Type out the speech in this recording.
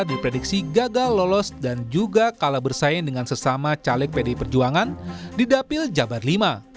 diprediksi gagal lolos dan juga kalah bersaing dengan sesama caleg pdi perjuangan di dapil jabar v